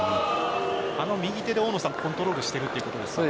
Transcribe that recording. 右手でコントロールしているということですか？